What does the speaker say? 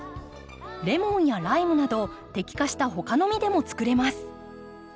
レモンやライムなど摘果した他の実でも作れます。